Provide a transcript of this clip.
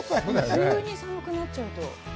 急に寒くなっちゃうと。